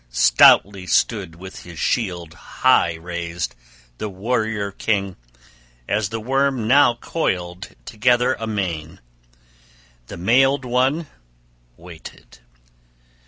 Stoutly stood with his shield high raised the warrior king, as the worm now coiled together amain: the mailed one waited.